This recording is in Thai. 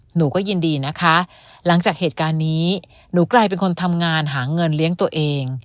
หนูก็ยินดีนะคะหลังจากเหตุการณ์นี้หนูกลายเป็นคนทำงานหาเงินเลี้ยงตัวเอง